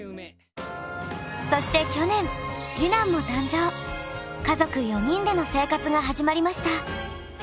そして去年家族４人での生活が始まりました。